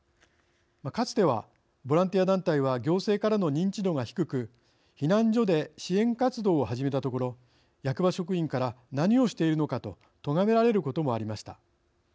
かつては、ボランティア団体は行政からの認知度が低く避難所で支援活動を始めたところ役場職員から何をしているのかととがめられることもありました。